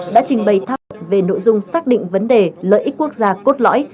đã trình bày tham luận về nội dung xác định vấn đề lợi ích quốc gia cốt lõi